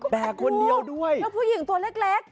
แล้วผู้หญิงตัวเล็ก